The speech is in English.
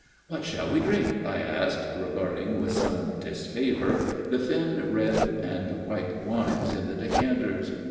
"What shall we drink?" I asked, regarding with some disfavour the thin red and white wines in the decanters.